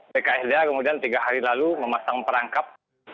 bksda kemudian tiga hari lalu memasang perangkap